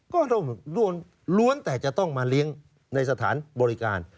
ก็ต้องล้วนแต่จะต้องมาเลี้ยงในสถานบริการ